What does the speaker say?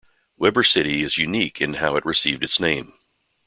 Weber City is unique in how it received its name.